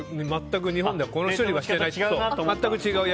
日本ではこの処理はしてないなと。